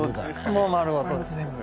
もう丸ごとです。